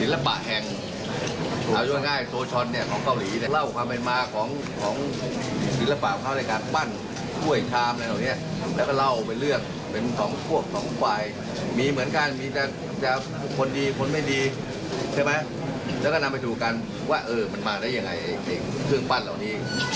แล้วก่อนถัดท้ายจะอย่างั้นทั้งวันทั้งคืนไม่ได้หรอกสังความมันปั่นปวดนะ